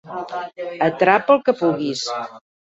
Atrapa el que puguis.